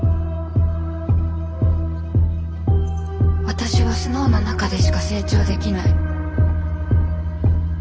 私はスノウの中でしか成長できない。